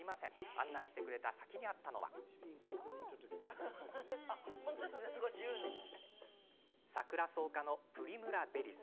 案内してくれた先にあったのはサクラソウ科のプリムラ・ベリス。